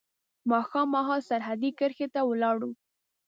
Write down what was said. ماښام مهال سرحدي کرښې ته ولاړو.